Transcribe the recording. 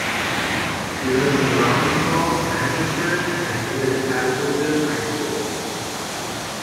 He lives in Rawtenstall, Lancashire, and attended Haslingden High School.